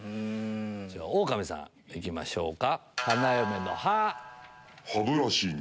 オオカミさん行きましょうか。